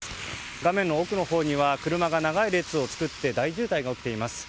画面奥には車が長い列を作って大渋滞が起きています。